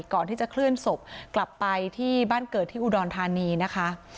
ก่อนที่จะเคลื่อนศพกลับไปที่บ้านเกิดที่อุดรธานีนะคะ